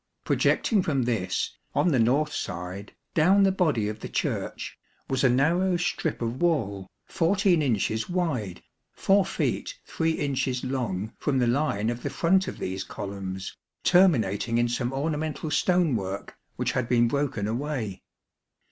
Projecting from this, on the north side, down the body of the Church, was a narrow strip of wall, 14 inches wide, 4 feet 3 inches long from the line of the front of these columns, terminating in some ornamental stone work which had been broken away.